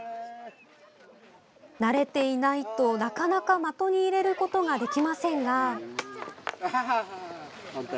慣れていないと、なかなか的に入れることができませんが。